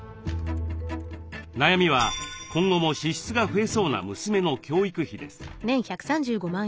悩みは今後も支出が増えそうな娘の教育費です。